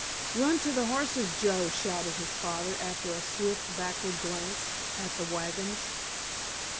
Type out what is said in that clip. "Run to the horses, Joe," shouted his father, after a swift backward glance at the wagons.